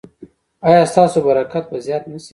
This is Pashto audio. ایا ستاسو برکت به زیات نه شي؟